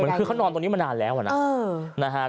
คือเขานอนตรงนี้มานานแล้วนะ